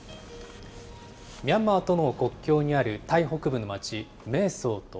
ミャンマーとの国境にあるタイ北部の町、メーソート。